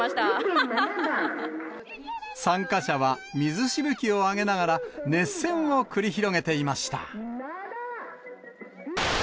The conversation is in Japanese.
参加者は水しぶきを上げながら、熱戦を繰り広げていました。